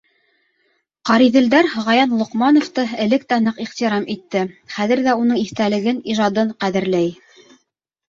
Ҡариҙелдәр Ғаян Лоҡмановты элек тә ныҡ ихтирам итте, хәҙер ҙә уның иҫтәлеген, ижадын ҡәҙерләй.